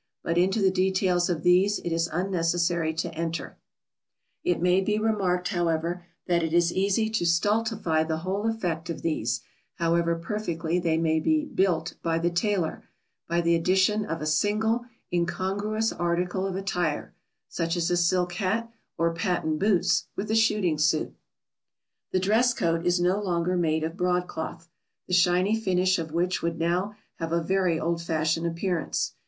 but into the details of these it is unnecessary to enter. [Sidenote: Spoiling an otherwise good effect.] It may be remarked, however, that it is easy to stultify the whole effect of these, however perfectly they may be "built" by the tailor, by the addition of a single incongruous article of attire; such as a silk hat or patent boots with a shooting suit. [Sidenote: The modern dress coat.] The dress coat is no longer made of broadcloth, the shiny finish of which would now have a very old fashioned appearance.